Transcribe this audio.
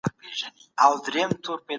د پښتو ژبي دپاره باید د ژباړي مرکزونه جوړ سي